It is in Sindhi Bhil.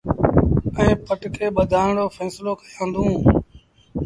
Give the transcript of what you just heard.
ائيٚݩ پٽڪي ٻڌآن رو ڦيسلو ڪيآݩدوݩ۔